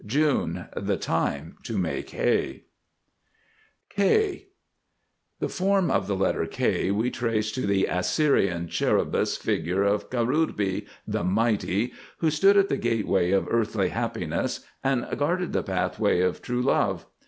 JUNE. The time to make hay. K [Illustration: K] The form of the letter K we trace to the Assyrian Cherubis Figure of Karubi, "the mighty," who stood at the Gateway of Earthly Happiness and guarded the Pathway of True Love.